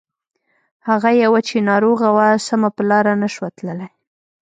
هغه يوه چې ناروغه وه سمه په لاره نه شوه تللای.